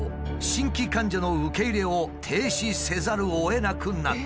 新規患者の受け入れを停止せざるをえなくなった。